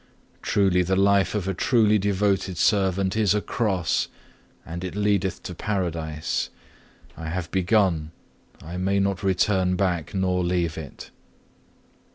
Truly the life of a truly devoted servant is a cross, but it leadeth to paradise. I have begun; I may not return back nor leave it.